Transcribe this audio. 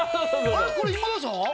えっこれ今田さん？